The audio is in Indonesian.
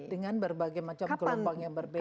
dengan berbagai macam gelombang yang berbeda